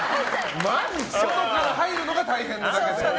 外から入るのが大変なだけで。